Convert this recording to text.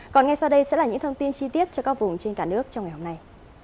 còn ngay sau đây sẽ là những thông tin chi tiết cho các vùng trên cả nước trong ngày hôm nay